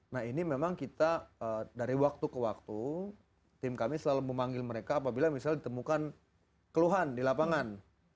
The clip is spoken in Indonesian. nah ini memang kita dari waktu ke waktu tim kami selalu memanggil mereka apabila misalnya ditemukan keluhan di lapangan